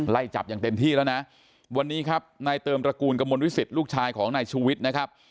ไล่จับอย่างเต็มที่แล้วนะวันนี้ครับนายเติมตระกูลกระมวลวิสิตลูกชายของนายชูวิทย์นะครับ